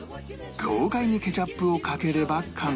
豪快にケチャップをかければ完成